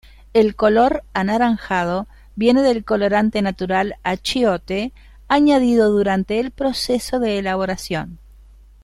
El color anaranjado viene del colorante natural Achiote añadido durante el proceso de elaboración.